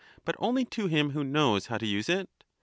but only to him who knows how to use it?